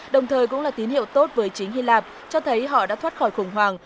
đồng thời cũng là tín hiệu tốt với chính hy lạp cho thấy họ đã thoát khỏi khủng hoảng